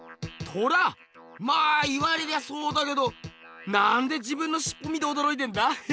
まあ言われりゃそうだけどなんで自分のしっぽ見ておどろいてんだ？